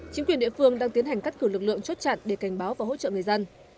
chính quyền địa phương đang tiến hành cắt cử lực lượng chốt chặn để cảnh báo và hỗ trợ người dân